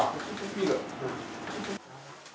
ビール。